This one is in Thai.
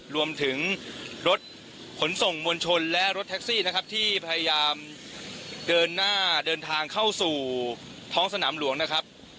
รวมถึงรถขนส่งมวลชนและรถแท็กซี่นะครับที่พยายามเดินหน้าเดินทางเข้าสู่ท้องสนามหลวงนะครับ